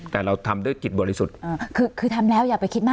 แต่เราทำด้วยจิตบริสุทธิ์คือคือทำแล้วอย่าไปคิดมาก